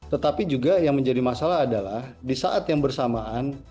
tetapi juga yang menjadi masalah adalah di saat yang bersamaan